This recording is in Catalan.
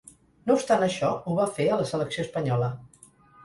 No obstant això, ho va fer a la selecció espanyola.